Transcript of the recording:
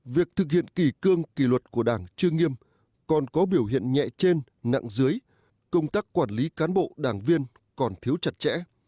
việc thực hiện kỳ cương kỳ luật của đảng chưa nghiêm còn có biểu hiện nhẹ trên nặng dưới công tác quản lý cán bộ đảng viên còn thiếu chặt chẽ